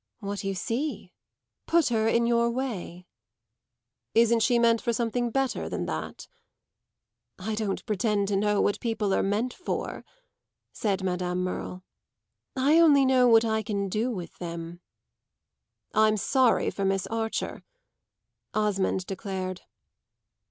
"What you see. Put her in your way." "Isn't she meant for something better than that?" "I don't pretend to know what people are meant for," said Madame Merle. "I only know what I can do with them." "I'm sorry for Miss Archer!" Osmond declared.